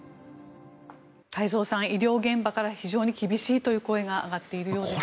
太蔵さん、医療現場から非常に厳しいという声が上がっているようですね。